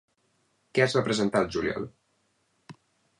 Què es va presentar al juliol?